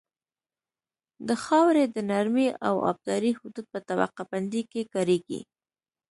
د خاورې د نرمۍ او ابدارۍ حدود په طبقه بندۍ کې کاریږي